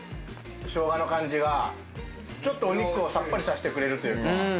ショウガの感じがちょっとお肉をさっぱりさせてくれるというか。